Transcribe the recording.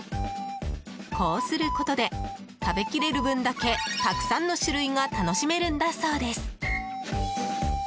こうすることで食べきれる分だけたくさんの種類が楽しめるんだそうです。